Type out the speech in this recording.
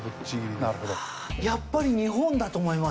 やっぱり日本だと思います。